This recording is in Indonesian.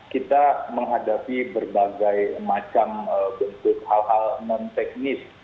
kita menghadapi berbagai macam bentuk hal hal non teknis